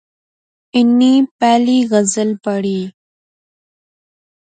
انی پہلی غزل پڑھی